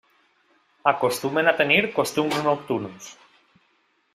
Acostumen a tenir costums nocturns.